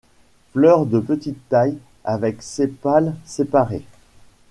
Fleurs de petite taille avec sépales séparés.